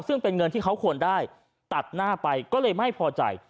ซึ่งเป็นเงินที่เขาควรได้ตัดหน้าไปก็เลยไม่พอใจ